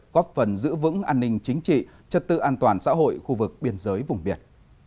góp phần giữ vững an ninh chính trị trật tự an toàn xã hội khu vực biên giới vùng biển